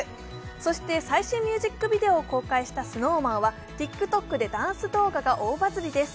そして最新ミュージックビデオを公開したＳｎｏｗＭａｎはＴｉｋＴｏｋでダンス動画が大バズりです。